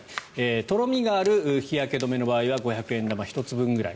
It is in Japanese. とろみがある日焼け止めの場合は五百円玉１つ分くらい。